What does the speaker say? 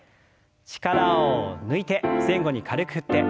力を抜いて前後に軽く振って。